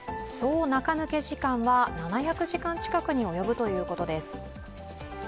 総中抜け時間は７００時間近くに及ぶということです。